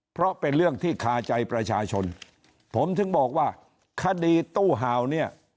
เพราะเป็นเรื่องที่คาใจประชาชนผมถึงบอกว่าคดีตู้ห่าวเนี่ย